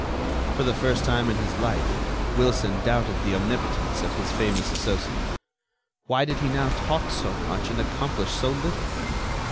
For the first time in his life, Wilson doubted the omnipotence of his famous associate. Why did he now talk so much and accomplish so little?